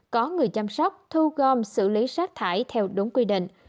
có người chăm sóc thu gom xử lý sát thải theo đúng quy định